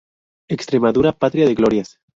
Extremadura, patria de glorias.